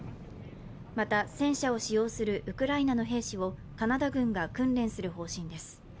また戦車を使用するウクライナの兵士をカナダ軍が訓練する方針です。